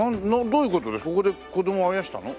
どういう事でここで子供をあやしたの？